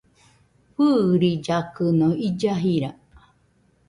Fɨɨrillakɨno illa jira